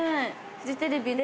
フジテレビで。